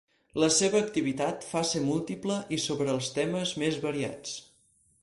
La seva activitat fa ser múltiple i sobre els temes més variats.